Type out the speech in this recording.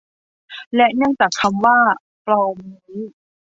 และเนื่องจากคำว่า ปลอม นี้